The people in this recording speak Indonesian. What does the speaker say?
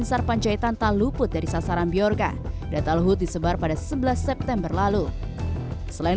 antar pancaitan taluput dari sasaran biarca data luhut disebar pada sebelas september lalu selain